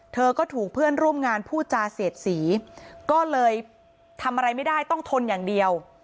เธอก็ถูกเพื่อนร่วมงานพูดจาเสียดสีก็เลยทำอะไรไม่ได้ต้องทนอย่างเดียว